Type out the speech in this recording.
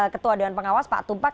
ketua dewan pengawas pak tumpak